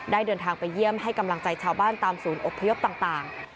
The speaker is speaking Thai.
เดินทางไปเยี่ยมให้กำลังใจชาวบ้านตามศูนย์อบพยพต่าง